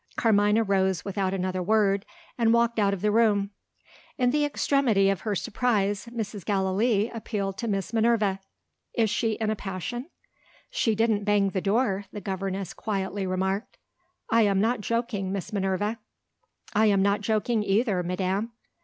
Carmina rose without another word and walked out of the room. In the extremity of her surprise, Mrs. Gallilee appealed to Miss Minerva. "Is she in a passion?" "She didn't bang the door," the governess quietly remarked. "I am not joking, Miss Minerva." "I am not joking either, madam."